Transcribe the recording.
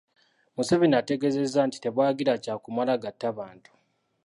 Museveni ategeezezza nti tebawagira kya kumala gatta bantu.